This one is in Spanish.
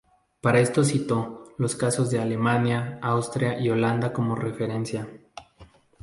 Para esto citó los casos de Alemania, Austria y Holanda como referencia.